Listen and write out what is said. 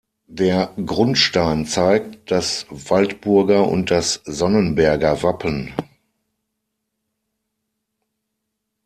Der Grundstein zeigt das Waldburger und das Sonnenberger Wappen.